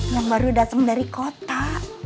yang baru datang dari kota